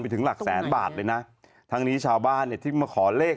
ถึงหลักแสนบาทเลยนะทั้งนี้ชาวบ้านเนี่ยที่มาขอเลข